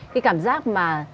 cái cảm giác mà